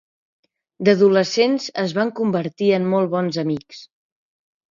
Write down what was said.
D'adolescents es van convertir en molt bons amics.